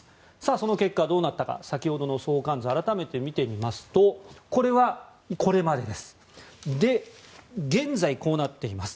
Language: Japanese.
その結果、どうなったか先ほどの相関図を改めて見てみますと現在、こうなっています。